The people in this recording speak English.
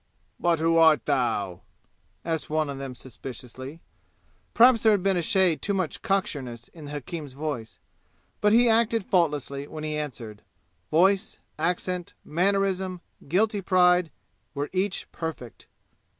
"But who art thou?" asked one of them suspiciously. Perhaps there had been a shade too much cocksureness in the hakim's voice, but he acted faultlessly when he answered. Voice, accent, mannerism, guilty pride, were each perfect.